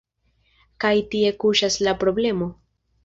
Kaj tie kuŝas la problemo.